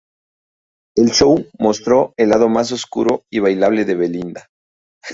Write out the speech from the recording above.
El show mostró el lado más oscuro y bailable de belinda.